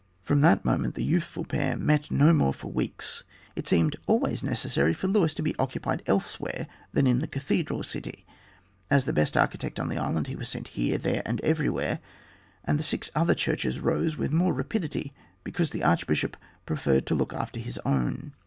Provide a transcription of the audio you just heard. From that moment the youthful pair met no more for weeks. It seemed always necessary for Luis to be occupied elsewhere than in the Cathedral city; as the best architect on the island, he was sent here, there, and everywhere; and the six other churches rose with more rapidity because the archbishop preferred to look after his own.